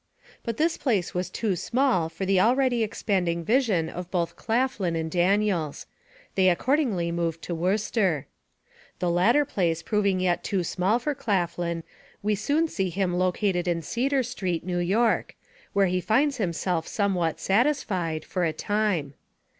But this place was too small for the already expanding vision of both Claflin & Daniels; they accordingly moved to Worcester. The latter place proving yet too small for Claflin, we soon see him located in Cedar street, New York, where he finds himself somewhat satisfied for a time.